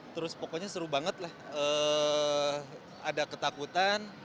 terus pokoknya seru banget lah ada ketakutan